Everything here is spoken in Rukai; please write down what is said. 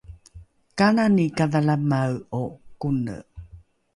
kanani kadhalamae’o kone?